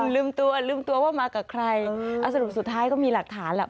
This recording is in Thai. ลืมตัวลืมตัวว่ามากับใครเอาสรุปสุดท้ายก็มีหลักฐานแหละ